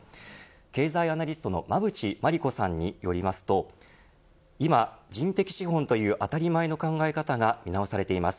経済アナリストの馬渕磨理子さんによりますと今、人的資本という当たり前の考え方が見直されています。